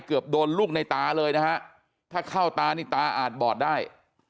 เกือบโดนลูกในตาเลยนะฮะถ้าเข้าตานี่ตาอาจบอดได้